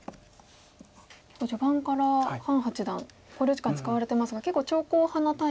序盤から潘八段考慮時間使われてますが結構長考派なタイプなんでしょうか。